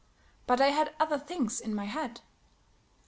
"But I had other things in my head."